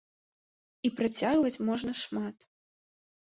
І працягваць можна шмат.